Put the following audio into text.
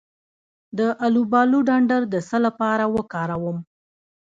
د الوبالو ډنډر د څه لپاره وکاروم؟